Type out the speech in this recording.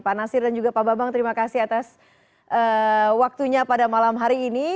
pak nasir dan juga pak bambang terima kasih atas waktunya pada malam hari ini